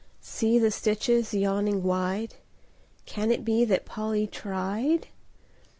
See the stitches yawning wide— Can it be that Polly tried?